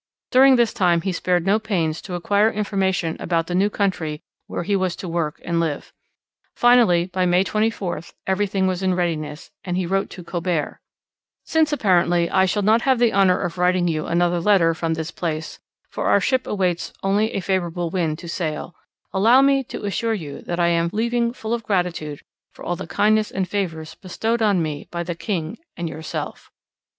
During this time he spared no pains to acquire information about the new country where he was to work and live. Finally, by May 24, everything was in readiness, and he wrote to Colbert: Since apparently I shall not have the honour of writing you another letter from this place, for our ship awaits only a favourable wind to sail, allow me to assure you that I am leaving full of gratitude for all the kindness and favours bestowed on me by the king and yourself.